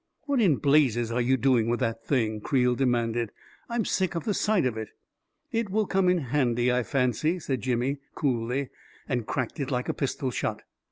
" What in blazes are you doing with that thing? " Creel demanded. " I'm sick of the sight of it." " It will come in handy, I fancy," said Jimmy, coolly, and cracked it like a pistol shot.